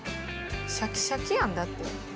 シャキシャキやんだって。